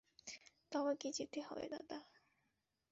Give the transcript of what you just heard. তবে কি যেতে হবে দাদা?